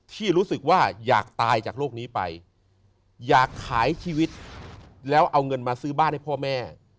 ที่รู้สึกว่าอยากตายจากโลกนี้ไปอยากขายชีวิตแล้วเอาเงินมาซื้อบ้านให้พ่อแม่